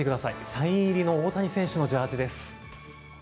サイン入りの大谷選手のジャージーです。